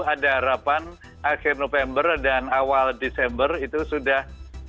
ada harapan akhir november dan awal desember itu sudah